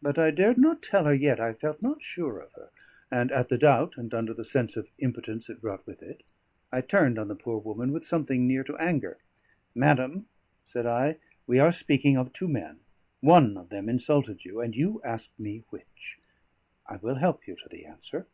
But I dared not tell her yet; I felt not sure of her; and at the doubt, and under the sense of impotence it brought with it, I turned on the poor woman with something near to anger. "Madam," said I, "we are speaking of two men: one of them insulted you, and you ask me which. I will help you to the answer.